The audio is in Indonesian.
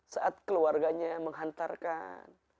saat keluarganya menghantarkan